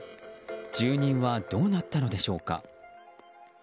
住人はどうなったのでしょうか。